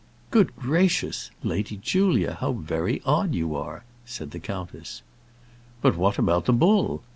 "Good gracious! Lady Julia, how very odd you are!" said the countess. "But what about the bull?"